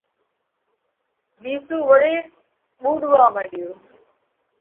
وِيسُو وۯي ٻُوڏوا مڏيو۔